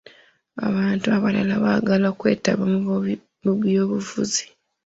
Abantu abalala baagala kwetaba mu by'obufuzi.